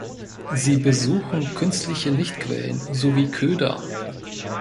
Sie besuchen künstliche Lichtquellen sowie Köder.